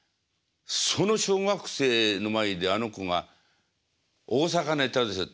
その小学生の前であの子が大阪ネタですよ